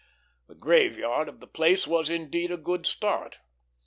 The graveyard of the place had, indeed, a good start.